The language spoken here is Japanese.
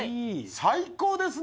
最高ですね！